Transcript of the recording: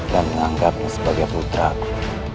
dan menganggapnya sebagai putraku